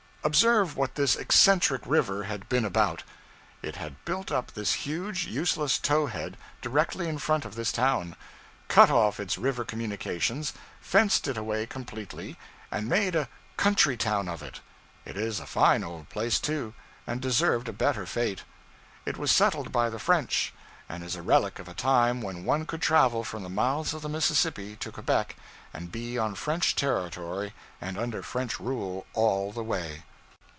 Observe what this eccentric river had been about: it had built up this huge useless tow head directly in front of this town, cut off its river communications, fenced it away completely, and made a 'country' town of it. It is a fine old place, too, and deserved a better fate. It was settled by the French, and is a relic of a time when one could travel from the mouths of the Mississippi to Quebec and be on French territory and under French rule all the way.